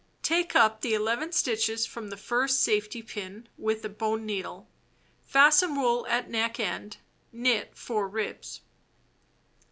Take up the 11 stitches from the first safety pin (see No. 4) with a bone needle. Fasten wool at neck end; knit 4 ribs.